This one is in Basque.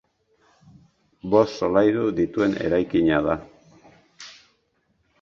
Bost solairu dituen eraikina da.